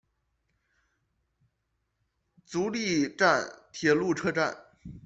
足利站铁路车站。